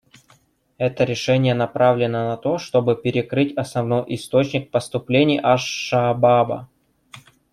Это решение направлено на то, чтобы перекрыть основной источник поступлений «АшШабааба».